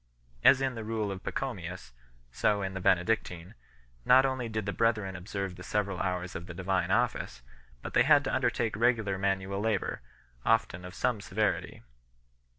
As in the Rule of Pacho mius, so in the Benedictine, not only did the brethren observe the several hours of the Divine Office, but they had to undertake regular manual labour, often of some severity.